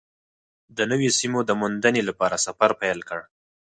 د نویو سیمو د موندنې لپاره سفر پیل کړ.